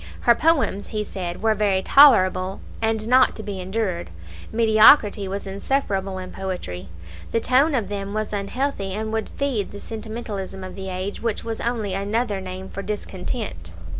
"Her poems," he said, "were very tolerable, and not to be endured;" mediocrity was insufferable in poetry. The tone of them was unhealthy, and would feed the sentimentalism of the age, which was only another name for discontent.